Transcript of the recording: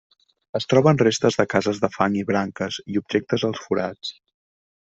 Es troben restes de cases de fang i branques, i objectes als forats.